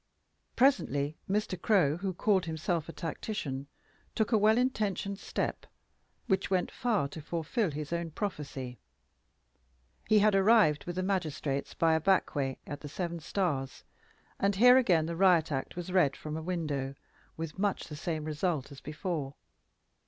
Presently Mr. Crow, who called himself a tactician, took a well intentioned step, which went far to fulfill his own prophecy. He had arrived with the magistrates by a back way at the Seven Stars, and here again the Riot Act was read from a window, with much the same result as before.